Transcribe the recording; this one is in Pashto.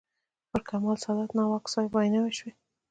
پر کمال سادات، ناوک صاحب ویناوې وشوې.